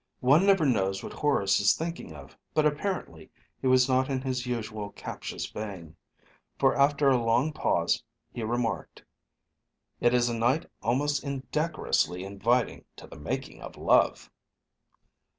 One never knows what Horace is thinking of, but apparently he was not in his usual captious vein, for after a long pause he remarked, "It is a night almost indecorously inviting to the making of love."